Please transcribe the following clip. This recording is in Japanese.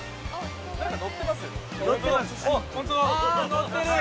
乗ってます